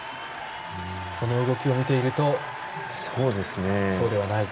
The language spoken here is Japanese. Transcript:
この動きを見ているとそうではない。